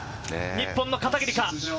日本の片桐か？